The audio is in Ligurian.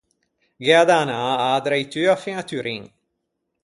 Gh’ea da anâ ädreitua fin à Turin.